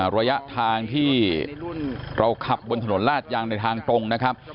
ระยะทางที่เราขับบนถนนลาดยางในทางตรงนะครับ